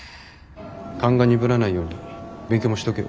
勘が鈍らないように勉強もしとけよ。